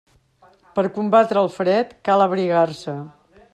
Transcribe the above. Per combatre el fred, cal abrigar-se.